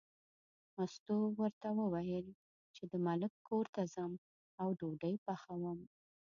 مستو ورته وویل چې د ملک کور ته ځم او ډوډۍ پخوم.